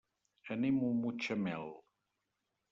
Anem a Mutxamel.